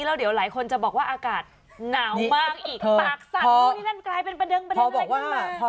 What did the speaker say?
เดี๋ยวหลายคนจะบอกว่าอากาศนาวมากอีก